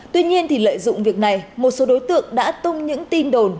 tuy nhiên lợi dụng việc này một số đối tượng đã tung những tin đồn